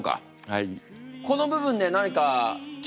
はい！